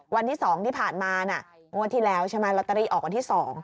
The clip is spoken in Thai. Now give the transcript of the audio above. วันที่๒ที่ผ่านมางวดที่แล้วใช่ไหมลอตเตอรี่ออกวันที่๒